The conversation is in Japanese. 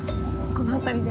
この辺りで？